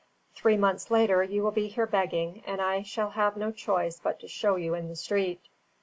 Three months later you will be here begging, and I shall have no choice but to show you in the street."